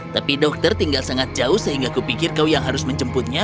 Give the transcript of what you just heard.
tapi dokter tinggal sangat jauh sehingga kupikir kau yang harus menjemputnya